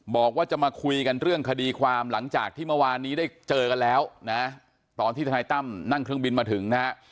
บอกว่าจะมาคุยกันเรื่องคดีความหลังจากที่เมื่อวานนี้ได้เจอกันแล้วนะตอนที่ทนายตั้มนั่งเครื่องบินมาถึงนะฮะ